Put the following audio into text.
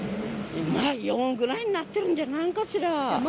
まあ、４ぐらいになってるんじゃないかしら。